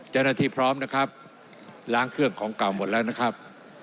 เจ้าหน้าที่พร้อมนะครับล้างเครื่องของเก่าหมดแล้วนะครับ